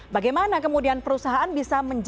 bagaimana kemudian perusahaan bisa